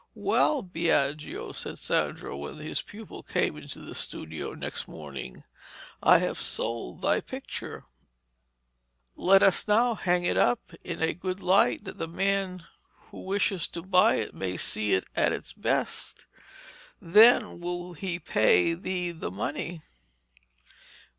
'Well, Biagio,' said Sandro, when his pupil came into the studio next morning, 'I have sold thy picture. Let us now hang it up in a good light that the man who wishes to buy it may see it at its best. Then will he pay thee the money.'